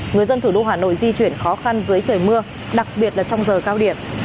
người dân thủ đô hà nội di chuyển khó khăn dưới trời mưa đặc biệt là trong giờ cao điểm